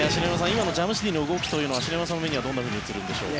今のジャムシディの動きは篠山さんの目にはどんなふうに映るんでしょう。